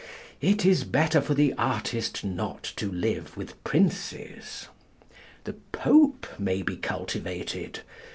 It is better for the artist not to live with Princes. The Pope may be cultivated.